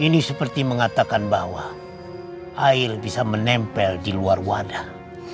ini seperti mengatakan bahwa air bisa menempel di luar wadah